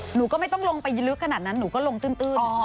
หนูก็ไม่ต้องลงไปลึกขนาดนั้นหนูก็ลงตื้น